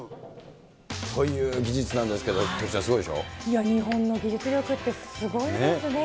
という技術なんですけど、いや、日本の技術力ってすごいですね。